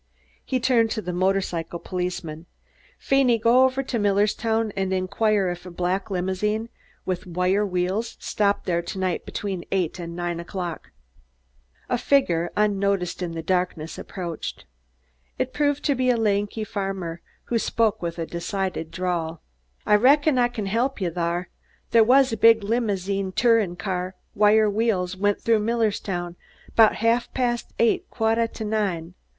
He turned to the motorcycle policeman. "Feeney, go over to Millerstown and inquire if a black limousine with wire wheels stopped there to night between eight and nine o'clock." A figure, unnoticed in the darkness, approached. It proved to be a lanky farmer, who spoke with a decided drawl. "I reckon I kin help ye thar. They was a big limozine tourin' car with wire wheels went through Millerstown 'bout ha'f past eight, quat' t' nine.